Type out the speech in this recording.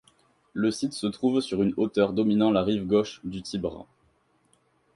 Le site se trouve sur une hauteur dominant la rive gauche du Tibre.